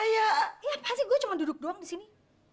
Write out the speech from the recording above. iya apaan sih gue cuma duduk doang disini